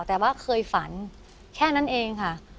แต่ว่าเคยฝันแค่นั้นเองค่ะ